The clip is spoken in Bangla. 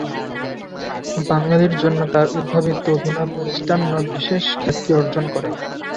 বাঙালির জন্য তার উদ্ভাবিত অভিনব মিষ্টান্ন বিশেষ খ্যাতি অর্জন করে।